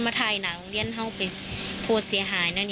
เขายังเบลอเขายังหนาโรงเรียนไว้